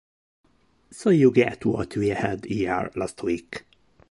So you get what we had here last week.